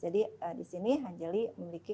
jadi di sini anjali memiliki